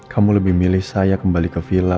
kamu lebih milih saya kembali ke villa